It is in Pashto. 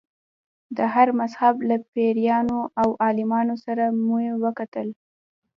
د هر مذهب له پیروانو او عالمانو سره مې وکتل.